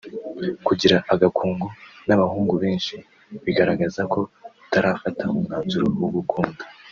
Kugira agakungu n’ abahungu benshi bigaragaza ko utarafata umwanzuro wo gukunda